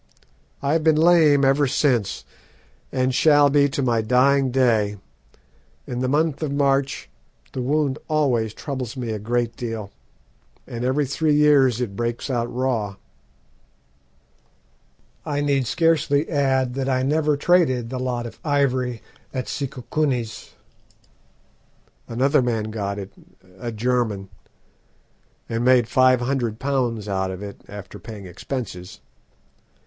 I have been lame ever since, and shall be to my dying day; in the month of March the wound always troubles me a great deal, and every three years it breaks out raw. "I need scarcely add that I never traded the lot of ivory at Sikukuni's. Another man got it a German and made five hundred pounds out of it after paying expenses.